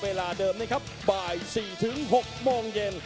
เวลาเดิมนะครับบ่าย๔๖โมงเย็น